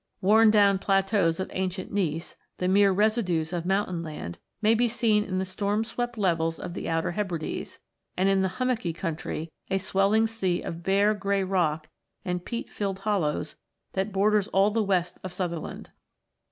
Worn down plateaus of ancient gneiss, the mere residues of mountain land, may be seen in the storm swept levels of the Outer Hebrides, and in the hummocky country, a swelling sea of bare grey rock and peat filled hollows, that borders all the west of Sutherland.